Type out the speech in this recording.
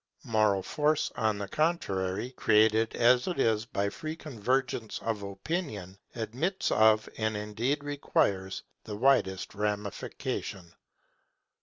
Moral force, on the contrary, created as it is by free convergence of opinion, admits of, and indeed requires, the widest ramification.